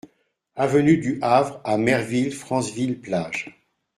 Avenue du Havre à Merville-Franceville-Plage